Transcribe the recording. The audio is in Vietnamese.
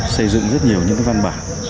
xây dựng rất nhiều những văn bản